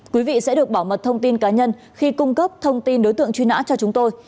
quý vị sẽ được bảo mật thông tin cá nhân khi cung cấp thông tin đối tượng truy nã cho chúng tôi